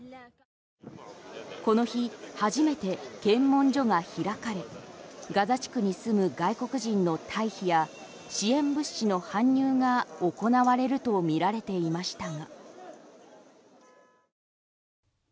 この日初めて検問所が開かれガザ地区に住む外国人の退避や支援物資の搬入が行われるとみられていましたが。